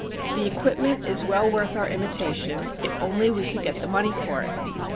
"The equipment is well worth our imitation if only we could get the money for it.